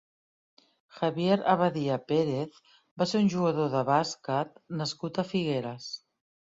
Javier Abadia Pérez va ser un jugador de bàsquet nascut a Figueres.